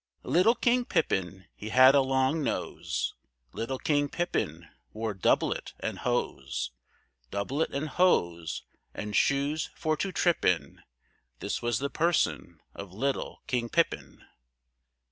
LITTLE King Pippin he had a long nose, Little King Pippin wore doublet and hose; Doublet and hose, and shoes for to trip in, This was the person of little King Pippin.